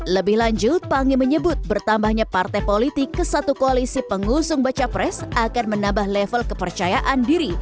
lebih lanjut pangi menyebut bertambahnya partai politik ke satu koalisi pengusung baca pres akan menambah level kepercayaan diri